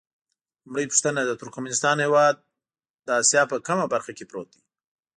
لومړۍ پوښتنه: د ترکمنستان هېواد د اسیا په کومه برخه کې پروت دی؟